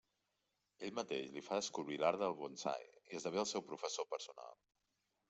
Ell mateix li fa descobrir l'art del bonsai i esdevé el seu professor personal.